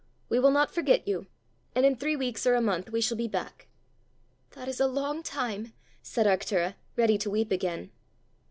We will not forget you, and in three weeks or a month we shall be back." "That is a long time," said Arctura, ready to weep again.